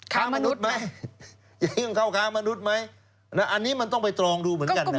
ค้ามนุษย์ไหมอย่างนี้มันเข้าค้ามนุษย์ไหมแล้วอันนี้มันต้องไปตรองดูเหมือนกันนะครับ